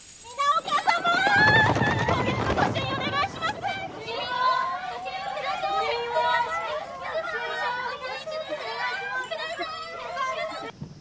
お願いします！